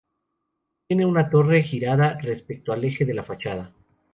Tiene una torre girada respecto al eje de la fachada.